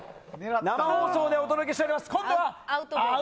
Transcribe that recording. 生放送でお届けしております。